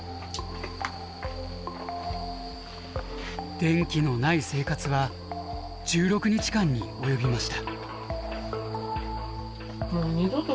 電気のない生活は１６日間に及びました。